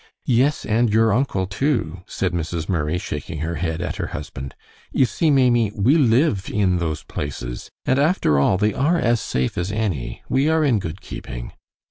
"Yes, and your uncle, too," said Mrs. Murray, shaking her head at her husband. "You see, Maimie, we live in 'those places'; and after all, they are as safe as any. We are in good keeping."